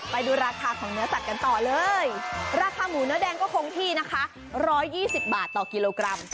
ไปดูราคาของเนื้อสัตว์กันต่อเลยราคาหมูเนื้อแดงก็คงที่นะคะ๑๒๐บาทต่อกิโลกรัม